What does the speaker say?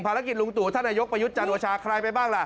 ลุงตู่ท่านนายกประยุทธ์จันทร์โอชาใครไปบ้างล่ะ